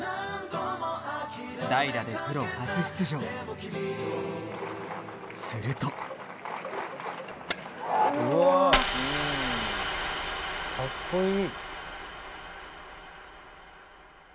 代打でプロ初出場するとカッコいい。